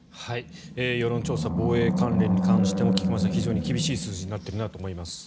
世論調査防衛関連に関しても菊間さん、非常に厳しい数字になっているなと思います。